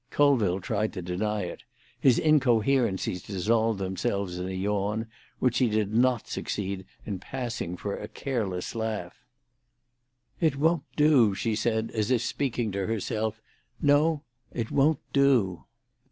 Colville tried to deny it; his incoherencies dissolved themselves in a yawn, which he did not succeed in passing for a careless laugh. "It won't do," she said, as if speaking to herself; "no, it won't do."